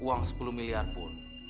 uang sepuluh miliar pun